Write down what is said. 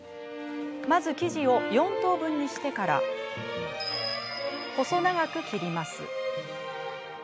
まず生地を４等分にしてから細長く切ります。